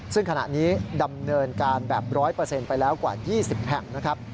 ซึ่งขณะนี้ดำเนินการแบบ๑๐๐ไปแล้วกว่า๒๐แห่งนะครับ